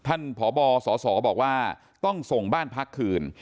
ท่านพบสสบอกว่าต้องส่งบ้านพักคืน